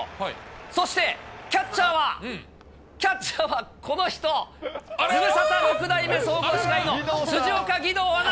そして、キャッチャーは、キャッチャーはこの人、ズムサタ６代目総合司会の辻岡義堂アナ。